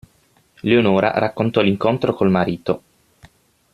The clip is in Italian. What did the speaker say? Leonora raccontò l'incontro col marito.